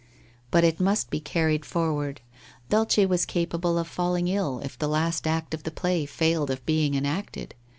But it must be carried forward. Dulcc was capable of falling ill if the last act of the play failed of being enacted.